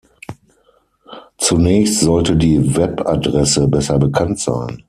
Zunächst sollte die Webadresse besser bekannt sein.